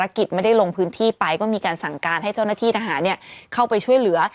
กิจไม่ได้ลงพื้นที่ไปก็มีการสั่งการให้เจ้าหน้าที่ทหารเข้าไปช่วยเหลือ